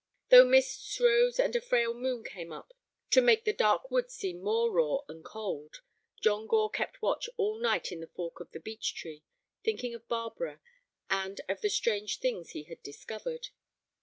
Though mists rose and a frail moon came up to make the dark woods seem more raw and cold, John Gore kept watch all night in the fork of the beech tree, thinking of Barbara and of the strange things he had discovered.